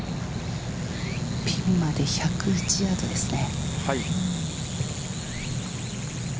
ピンまで１０１ヤードですね。